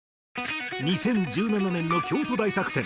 ２０１７年の京都大作戦